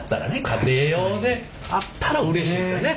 家庭用であったらうれしいですよね。